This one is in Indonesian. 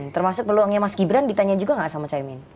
termasuk peluangnya mas gibran ditanya juga nggak sama caimin